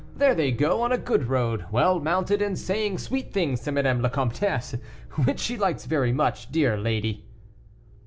There they go, on a good road, well mounted, and saying sweet things to Madame la Comtesse, which she likes very much, dear lady."